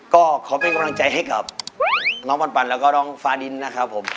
ก็ขอเป็นกำลังใจให้กับน้องปันแล้วก็น้องฟ้าดินนะครับผม